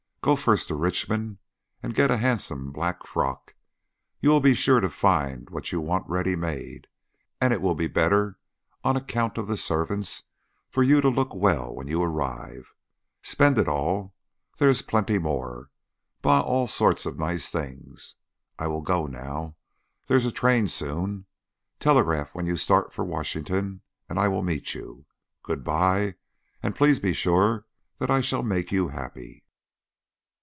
"Go first to Richmond and get a handsome black frock; you will be sure to find what you want ready made, and it will be better on account of the servants for you to look well when you arrive. Spend it all. There is plenty more. Buy all sorts of nice things. I will go now. There is a train soon. Telegraph when you start for Washington and I will meet you. Good by, and please be sure that I shall make you happy."